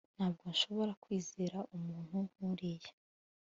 Ntabwo nshobora kwizera umuntu nkuriya